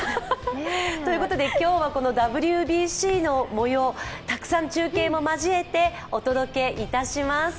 ということで、今日はＷＢＣの模様をたくさん中継も交えてお届けいたします。